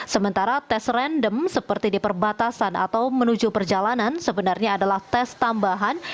sementara tes random seperti di perbatasan atau menuju perjalanan sebenarnya adalah tes tambahan